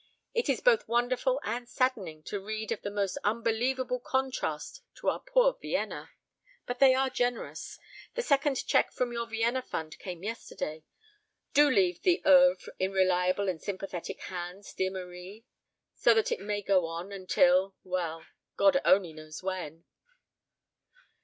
It is both wonderful and saddening to read of the almost unbelievable contrast to our poor Vienna. But they are generous. The second cheque from your Vienna Fund came yesterday. Do leave the oeuvre in reliable and sympathetic hands, dear Marie, so that it may go on until well, God only knows when."